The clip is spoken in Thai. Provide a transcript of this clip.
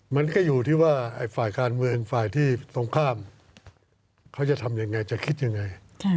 มันก็อยู่ที่ว่าฝ่ายการเมืองฝ่ายที่ตรงข้ามเขาจะทำยังไงจะคิดยังไง